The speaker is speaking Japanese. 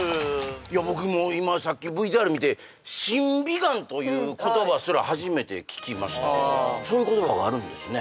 僕もう今さっきＶＴＲ見て審美眼という言葉すら初めて聞きましたそういう言葉があるんですね